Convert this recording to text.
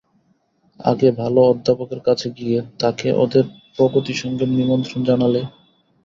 আগে ভালো অধ্যাপকের কাছে গিয়ে তাঁকে ওদের প্রগতিসংঘের নিমন্ত্রণ জানালে।